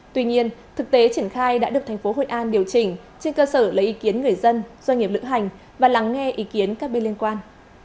tuy nhiên thực tế triển khai đã được tp hcm điều chỉnh trên cơ sở lấy ý kiến người dân doanh nghiệp lữ hành và lắng nghe ý kiến các bên liên quan